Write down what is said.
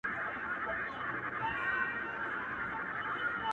• پيشو پوه سول چي موږك جنگ ته تيار دئ,